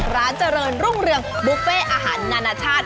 ร้านเจริญรุ่งเรืองบุฟเฟ่อาหารนานาชาติ